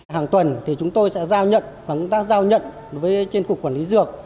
hàng tuần thì chúng tôi sẽ giao nhận chúng ta giao nhận với trên cục quản lý dược